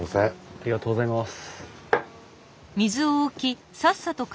ありがとうございます。